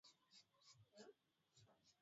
Ugonjwa wa kufa ghafla kwa ngamia